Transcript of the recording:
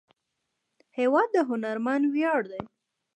هېواد د هنرمند ویاړ دی.